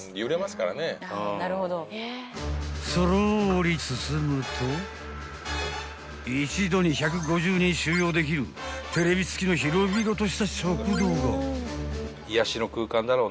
［そろり進むと一度に１５０人収容できるテレビ付きの広々とした食堂が］